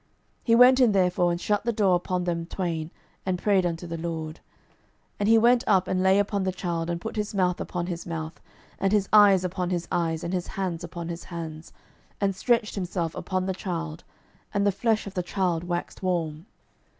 12:004:033 He went in therefore, and shut the door upon them twain, and prayed unto the LORD. 12:004:034 And he went up, and lay upon the child, and put his mouth upon his mouth, and his eyes upon his eyes, and his hands upon his hands: and stretched himself upon the child; and the flesh of the child waxed warm.